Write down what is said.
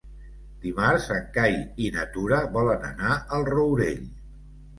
Dimarts en Cai i na Tura volen anar al Rourell.